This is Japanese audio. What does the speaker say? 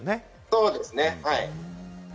そうですね。